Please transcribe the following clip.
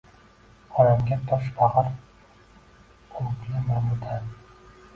Onamga tosh bagir ugli nomidan